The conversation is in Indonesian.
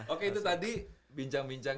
oke itu tadi bincang bincang